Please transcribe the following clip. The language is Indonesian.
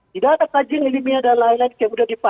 tidak ada kajian ilmiah dan lain lain yang sudah dipacat